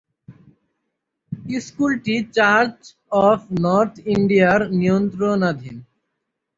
স্কুলটি church of north ইন্ডিয়ার নিয়ন্ত্রণাধীন।